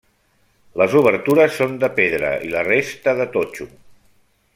Les obertures són de pedra i la resta de totxo.